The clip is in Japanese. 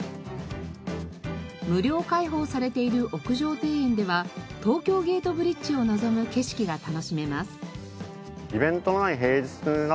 無料開放されている屋上庭園では東京ゲートブリッジを望む景色が楽しめます。